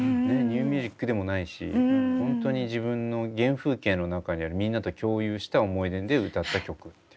ニューミュージックでもないしホントに自分の原風景の中にあるみんなと共有した思い出で歌った曲。